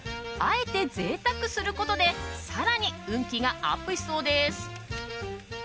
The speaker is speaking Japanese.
あえて贅沢することで更に運気がアップしそうです。